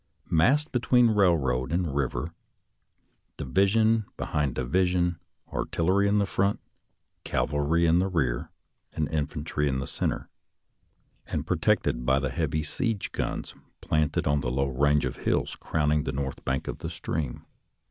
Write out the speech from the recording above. Massed be tween railroad and river, division behind divi sion, artillery in front, cavalry in rear, and in fantry in the center, and protected by the heavy siege guns planted on the low range of hills crowning the north bank of the stream.